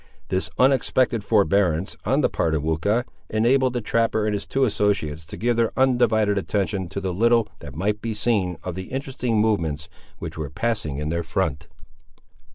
This unexpected forbearance, on the part of Weucha, enabled the trapper and his two associates to give their undivided attention to the little that might be seen of the interesting movements which were passing in their front.